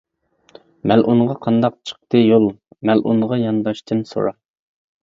مەلئۇنغا قانداق چىقتى يول؟ مەلئۇنغا يانداشتىن سورا.